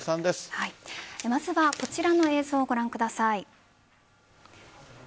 まずはこちらの映像をご覧ください。